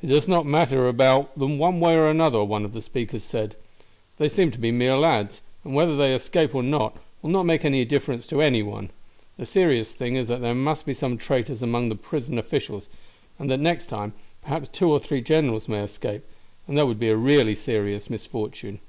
"It does not matter about them one way or the other," one of the speakers said. "They seem to be mere lads, and whether they escape or not will not make any difference to any one. The serious thing is that there must be some traitors among the prison officials, and that next time, perhaps two or three generals may escape, and that would be a really serious misfortune."